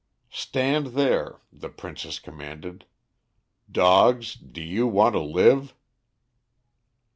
] "'Stand there!' the princess commanded! 'Dogs, do you want to live?'